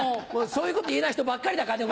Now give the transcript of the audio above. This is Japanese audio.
そういうこと言えない人ばっかりだからね